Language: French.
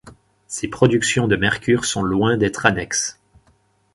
Ces productions de mercure sont loin d'être annexes.